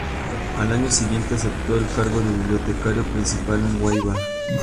Al año siguiente aceptó el cargo de bibliotecario principal en Weimar.